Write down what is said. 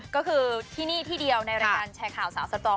ก็คือที่นี่ที่เดียวในรายการแชร์ข่าวสาวสตรอง